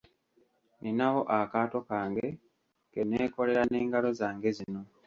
Ninawo akaato kange ke nneekolera n'engalo zange zino.